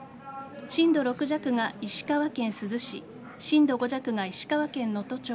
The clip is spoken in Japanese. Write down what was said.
震度６弱が石川県珠洲市震度５弱が石川県能登町